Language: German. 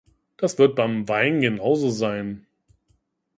Das wird beim Wein genauso sein.